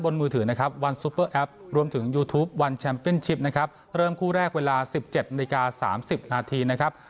ผมคิดว่าผมน่าจะชนะครับ